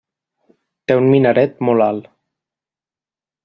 Té un minaret molt alt.